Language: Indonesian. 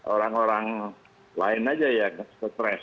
orang orang lain aja yang stres